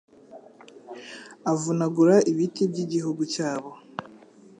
avunagura ibiti by’igihugu cyabo